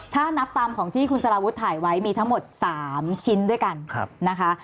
ถ้านับตามของที่คุณสารวุฒิถ่ายไว้มีทั้งหมด๓ชิ้นด้วยกันนะคะ